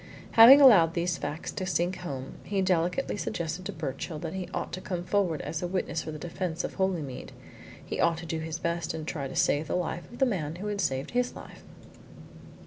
Having allowed these facts to sink home, he delicately suggested to Birchill that he ought to come forward as a witness for the defence of Holymead he ought to do his best to try and save the life of the man who had saved his life.